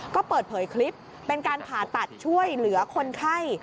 ก็เปิดเผยคลิปเป็นการผ่าตัดช่วยเหลือคนไข้